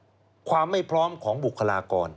ในอีกภาพหนึ่งความไม่พร้อมของบุคลากร